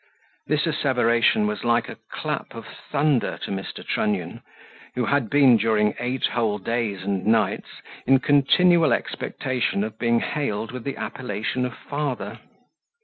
This asseveration was like a clap of thunder to Mr. Trunnion, who had been, during eight whole days and nights, in continual expectation of being hailed with the appellation of father.